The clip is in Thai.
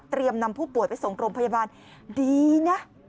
เตรียมนำผู้ป่วยไปส่งโรมพยาบาลดีนะ